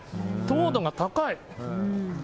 糖度が高い。